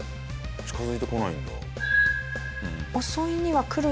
近付いてこないんだ。